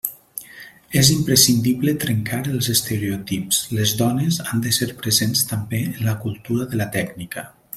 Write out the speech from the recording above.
És imprescindible trencar els estereotips, les dones han de ser presents també en la cultura de la tècnica.